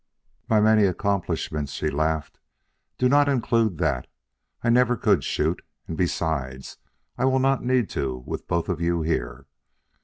"My many accomplishments," she laughed, "do not include that. I never could shoot and besides I will not need to with both of you here."